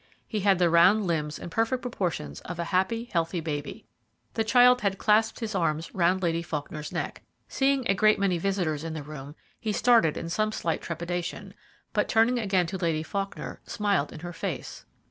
He had the round limbs and perfect proportions of a happy, healthy baby. The child had clasped his arms round Lady Faulkner's neck. Seeing a great many visitors in the room, he started in some slight trepidation, but, turning again to Lady Faulkner, smiled in her face.